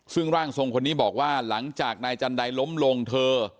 ซึ่งร่างทรงคนนี้บอกว่าหลังจากนายจันไดล้มลงเธอ